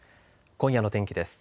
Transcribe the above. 今夜の天気です。